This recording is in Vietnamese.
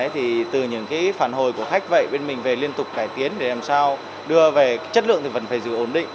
thì từ những cái phản hồi của khách vậy bên mình về liên tục cải tiến để làm sao đưa về chất lượng thì vẫn phải giữ ổn định